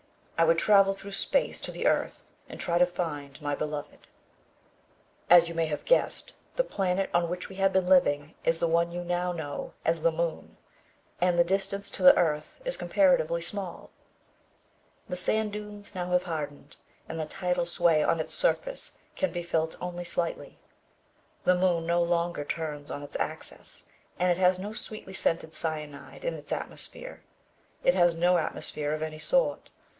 I would travel through space to the earth and try to find my beloved. As you may have guessed, the planet on which we had been living is the one you now know as the Moon, and the distance to the earth is comparatively small. The sand dunes now have hardened and the tidal sway of its surface can be felt only slightly. The moon no longer turns on its axis and it has no sweetly scented cyanide in its atmosphere. It has no atmosphere of any sort.